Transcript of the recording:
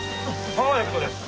パーフェクトです。